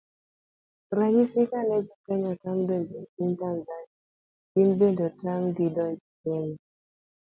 Ranyisi, kane jokenya otam donjo e piny Tazania gin bende notam gi donjo Kenya